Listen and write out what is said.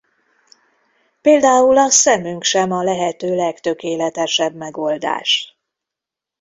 Például a szemünk sem a lehető legtökéletesebb megoldás.